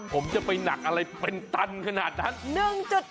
ผมจะไปหนักอะไรเป็นตันขนาดนั้น